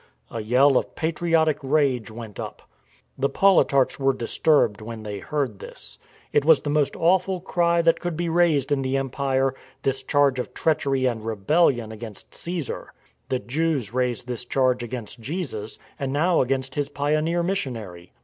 A yell of patriotic rage went up. The politarchs were disturbed when they heard this. It was the most awful cry that could be raised in the empire, — this charge of treachery and rebellion against Csesar. The Jews raised this charge against Jesus, and now against His pioneer missionary.